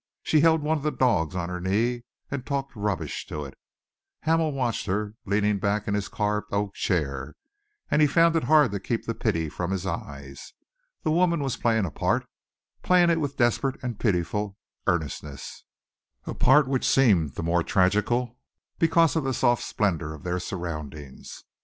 She held one of the dogs on her knee and talked rubbish to it. Hamel watched her, leaning back in his carved oak chair, and he found it hard to keep the pity from his eyes. The woman was playing a part, playing it with desperate and pitiful earnestness, a part which seemed the more tragical because of the soft splendour of their surroundings.